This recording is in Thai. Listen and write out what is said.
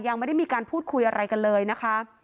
ยังไม่ได้มีการพูดคุยอะไรกันเลยนะคะ